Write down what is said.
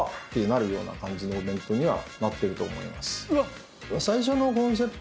なるような感じのお弁当にはなってると思います。